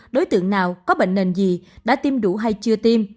đối tượng nào có bệnh nền gì đã tiêm đủ hay chưa tiêm